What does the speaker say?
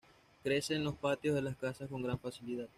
Crece en los patios de las casas con gran facilidad.